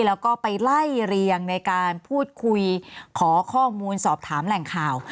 แล้วก็ไปไล่เรียงในการพูดคุยขอข้อมูลสอบถามแหล่งข่าว